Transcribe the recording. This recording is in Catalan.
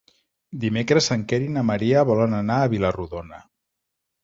Dimecres en Quer i na Maria volen anar a Vila-rodona.